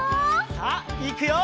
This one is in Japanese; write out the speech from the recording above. さあいくよ！